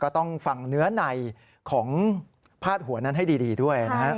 ต้องฟังเนื้อในของพาดหัวนั้นให้ดีด้วยนะฮะ